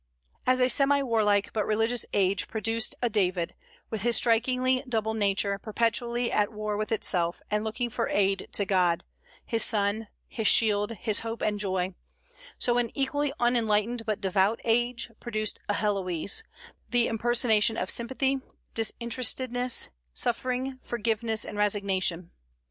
As a semi warlike but religious age produced a David, with his strikingly double nature perpetually at war with itself and looking for aid to God, his "sun," his "shield," his hope, and joy, so an equally unenlightened but devout age produced a Héloïse, the impersonation of sympathy, disinterestedness, suffering, forgiveness, and resignation.